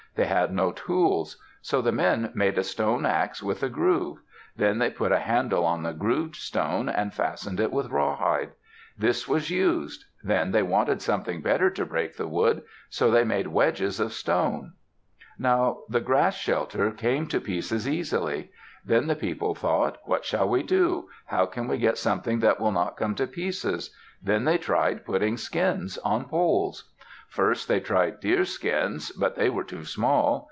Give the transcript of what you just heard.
They had no tools. So the men made a stone ax with a groove. Then they put a handle on the grooved stone and fastened it with rawhide. This was used. Then they wanted something better to break the wood. So they made wedges of stone. Now the grass shelter came to pieces easily. Then the people thought, "What shall we do? How can we get something that will not come to pieces?" Then they tried putting skins on poles. First they tried deerskins. But they were too small.